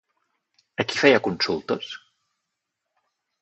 A qui feia consultes?